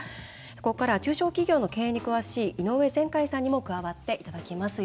ここからは、中小企業の経営に詳しい井上善海さんにも加わっていただきます。